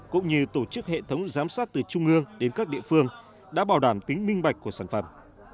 cũng như tổ chức hệ thống giám sát từ trung ương đến các địa phương đã bảo đảm tính minh bạch của sản phẩm